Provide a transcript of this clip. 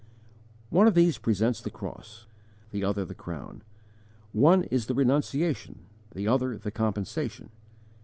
One of these presents the cross, the other the crown; one the renunciation, the other the compensation.